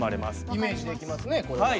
イメージできますねこれは。